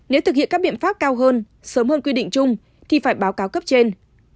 nếu thực hiện các biện pháp cao hơn sớm hơn quy định chung thì phải báo cáo cấp trên